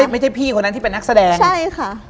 ไม่ใช่พี่คนนั้นที่เป็นนักแสดงใช่ค่ะ